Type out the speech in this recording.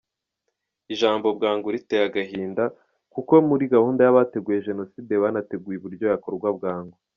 Ijambo bwangu riteye agahinda, kuko muri gahunda y’abateguye jenoside banateguye uburyo yakorwa bwangu.